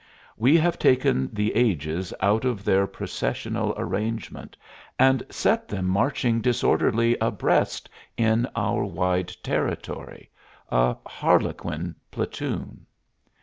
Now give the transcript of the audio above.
We have taken the ages out of their processional arrangement and set them marching disorderly abreast in our wide territory, a harlequin platoon.